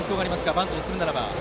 バントをするならば。